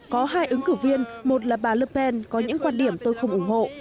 có hai ứng cử viên một là bà le pen có những quan điểm tôi không ủng hộ